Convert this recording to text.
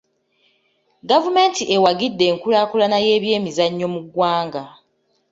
Gavumenti ewagidde enkulaakulana y'ebyemizannyo mu ggwanga.